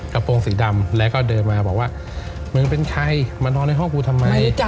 โปรงสีดำแล้วก็เดินมาบอกว่ามึงเป็นใครมานอนในห้องกูทำไม